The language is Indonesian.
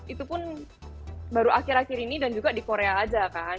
itu pun baru akhir akhir ini dan juga di korea aja kan